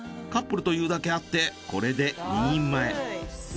カップルというだけあってこれで２人前。